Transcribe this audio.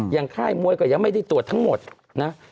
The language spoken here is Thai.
ค่ายมวยก็ยังไม่ได้ตรวจทั้งหมดนะ